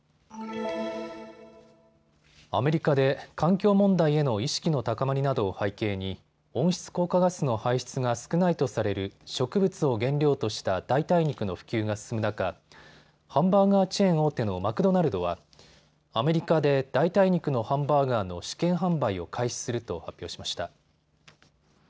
アメリカで環境問題への意識の高まりなどを背景に温室効果ガスの排出が少ないとされる植物を原料とした代替肉の普及が進む中、ハンバーガーチェーン大手のマクドナルドはアメリカで代替肉のハンバーガーの試験販売を開始すると発表しました。